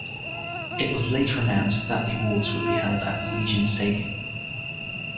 It was later announced that the awards would be held at Allegiant Stadium.